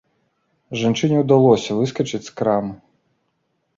Жанчыне ўдалося выскачыць з крамы.